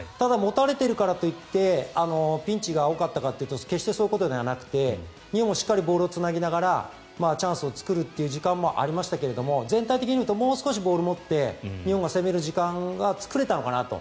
ただ、持たれてるからと言ってピンチが多かったかというと決してそういうことではなくて日本はしっかりボールをつなぎながらチャンスを作るという時間もありましたけど全体的に見るともう少しボールを持って日本が攻める時間は作れたのかなと。